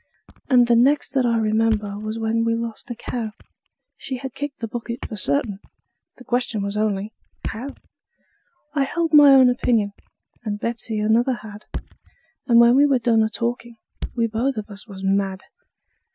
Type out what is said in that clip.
And the next that I remember was when we lost a cow; She had kicked the bucket for certain, the question was only How? I held my own opinion, and Betsey another had; And when we were done a talkin', we both of us was mad.